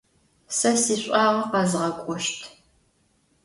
Se siş'uağe khezğek'oşt.